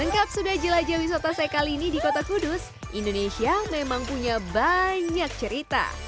lengkap sudah jelajah wisata saya kali ini di kota kudus indonesia memang punya banyak cerita